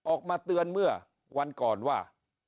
ออกมาเตือนเมื่อวันก่อนว่า